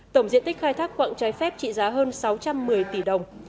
tổng diện tích khai thác quạng trái phép trị giá hơn sáu trăm một mươi tỷ đồng